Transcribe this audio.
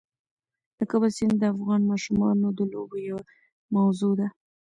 د کابل سیند د افغان ماشومانو د لوبو یوه موضوع ده.